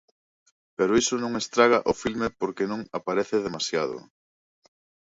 Pero iso non estraga o filme porque non aparece demasiado.